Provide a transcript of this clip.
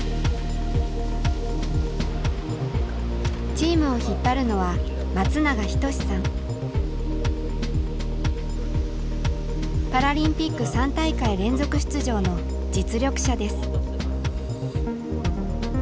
チームを引っ張るのはパラリンピック３大会連続出場の実力者です。